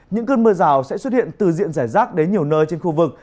những cơn mưa rào sẽ xuất hiện từ diện rải rác đến nhiều nơi trên khu vực